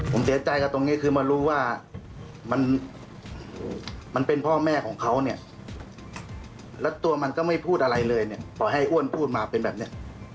ผมเสียใจกับตรงนี้คือมารู้ว่ามันเป็นพ่อแม่ของเขาเนี่ยแล้วตัวมันก็ไม่พูดอะไรเลยเนี่ยขอให้อ้วนพูดมาเป็นแบบเนี้ย